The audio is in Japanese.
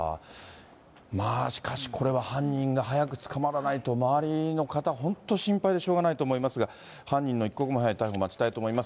まあしかし、これは犯人が早く捕まらないと、周りの方、本当に心配でしょうがないと思いますが、犯人の一刻も早い逮捕、待ちたいと思います。